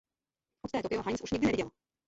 Od té doby ho Heinz už nikdy neviděl.